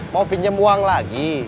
mau pinjem uang lagi